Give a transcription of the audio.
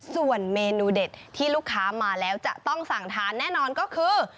ส่วนเมนูเด็ดที่ลูกค้ามาแล้วจะต้องสั่งทานแน่นอนก็คือ